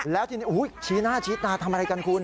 แล้วทีนี้ชี้หน้าชี้ตาทำอะไรกันคุณ